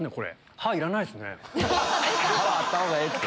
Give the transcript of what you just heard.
歯はあったほうがええって！